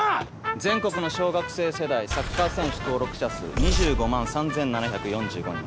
全国の小学生世代サッカー選手登録者数２５万３７４５人。